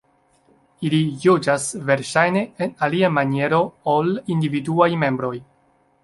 Ili juĝas verŝajne en alia maniero ol individuaj membroj.